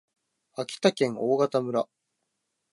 秋田県大潟村